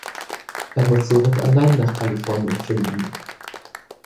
Er muss somit allein nach Kalifornien finden.